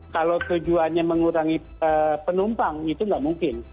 kalau tujuannya mengurangi penumpang itu nggak mungkin